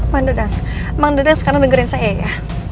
mang dadang mang dadang sekarang dengerin saya ya